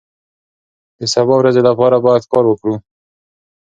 د سبا ورځې لپاره باید کار وکړو.